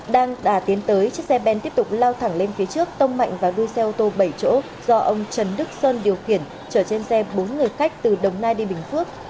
đang đà tiến tới chiếc xe ben tiếp tục lao thẳng lên phía trước tông mạnh vào đuôi xe ô tô bảy chỗ do ông trần đức sơn điều khiển chở trên xe bốn người khách từ đồng nai đi bình phước